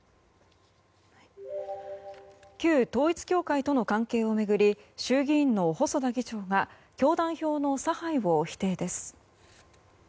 旧統一教会との関係を巡り衆議院の細田議長が教団票の差配を否定です。